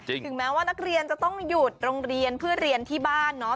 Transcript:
ถึงแม้ว่านักเรียนจะต้องหยุดโรงเรียนเพื่อเรียนที่บ้านเนาะ